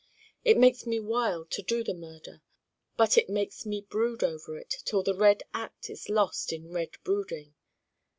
It makes me wild to do the Murder. But it makes me brood over it till the red act is lost in red brooding.